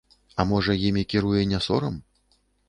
А можа, імі кіруе не сорам?